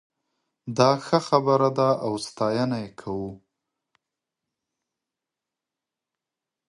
دا ښه خبره ده او ستاينه یې کوو